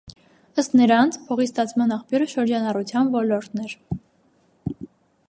Ըստ նրանց՝ փողի ստացման աղբյուրը շրջանառության ոլորտն էր։